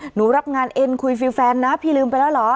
หนูรับงานเอ็นคุยฟิลแฟนนะพี่ลืมไปแล้วเหรอ